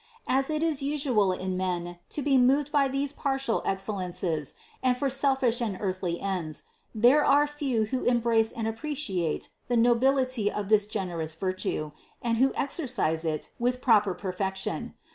As it is usual in men to be moved by these partial excel lences and for selfish and earthly ends, there are few who embrace and appreciate the nobility of this generous vir tue and who exercise it with proper perfection.